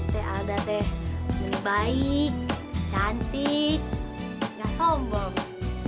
teh alda teh baik cantik gak sombong